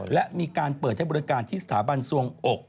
และมีการเปิดให้บริการที่สถาบันสวงอก